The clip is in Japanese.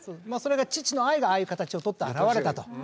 まあそれが父の愛がああいう形を取って現れたと。